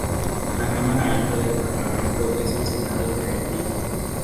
La cámara alta del Parlamento es el Senado de Haití.